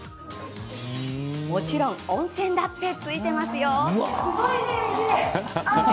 もちろん温泉だってついてますよ。